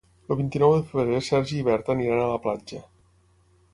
El vint-i-nou de febrer en Sergi i na Berta iran a la platja.